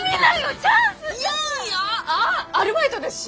あっアルバイトですし。